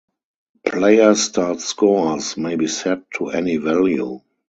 Player start scores may be set to any value.